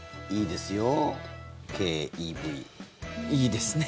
いいですね。